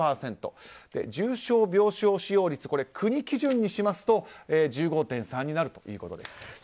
重症病床使用率国基準にしますと１５．３になるということです。